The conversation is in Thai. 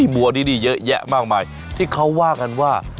บัวนี่เยอะแยะมากมายที่เขาว่ากันว่า